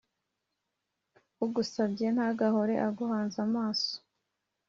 ugusabye, ntagahore aguhanze amaso